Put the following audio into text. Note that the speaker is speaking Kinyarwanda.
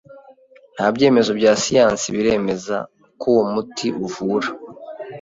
Nta byemezo bya siyansi biremeza ko uwo muti uvura